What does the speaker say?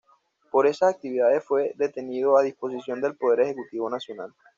Por esas actividades fue detenido a disposición del Poder Ejecutivo Nacional.